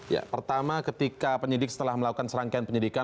ya pertama ketika penyidik setelah melakukan serangkaian penyidikan